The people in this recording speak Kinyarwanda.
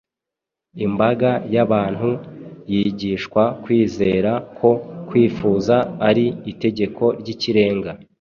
imbaga y’abantu yigishwa kwizera ko kwifuza ari itegeko ry’ikirenga,